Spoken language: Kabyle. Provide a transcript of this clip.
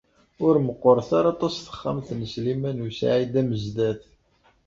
Ur meqqret ara aṭas texxamt n Sliman u Saɛid Amezdat.